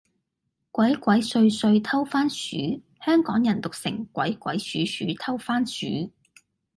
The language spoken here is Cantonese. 鬼鬼祟祟偷番薯，香港人讀成，鬼鬼鼠鼠偷番薯